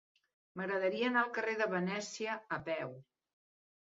M'agradaria anar al carrer de Venècia a peu.